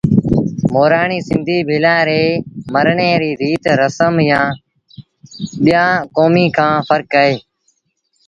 مورآڻي سنڌيٚ ڀيٚلآݩ ري مرڻي ريٚ ريٚت رسم با ٻيٚآݩ ڪوميݩ کآݩ ڦرڪ اهي